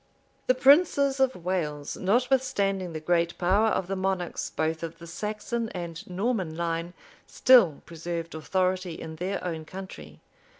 The princes of Wales, notwithstanding the great power of the monarchs both of the Saxon and Norman line, still preserved authority in their own country.